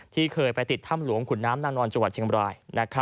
ที่เคยไปติดถ้ำหลวงขุนน้ำนางนอนจังหวัดเชียงบราย